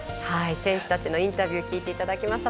選手たちのインタビュー聞いていただきました。